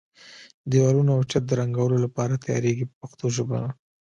دېوالونه او چت د رنګولو لپاره تیاریږي په پښتو ژبه.